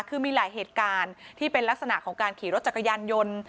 คือมีหลายเหตุการณ์ที่เป็นลักษณะของการขี่รถจักรยานยนต์